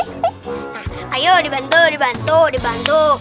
nah ayo dibantu dibantu dibantu